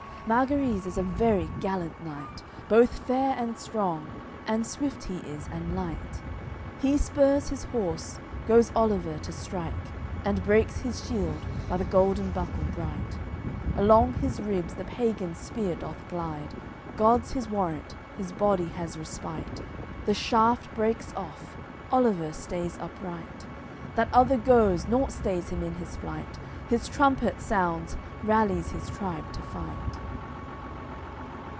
CIII Margariz is a very gallant knight, Both fair and strong, and swift he is and light; He spurs his horse, goes Oliver to strike, And breaks his shield, by th'golden buckle bright; Along his ribs the pagan's spear doth glide; God's his warrant, his body has respite, The shaft breaks off, Oliver stays upright; That other goes, naught stays him in his flight, His trumpet sounds, rallies his tribe to fight.